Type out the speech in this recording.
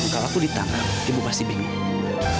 kalau aku ditangkap ibu pasti bingung